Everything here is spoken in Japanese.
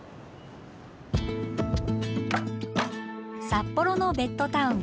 札幌のベッドタウン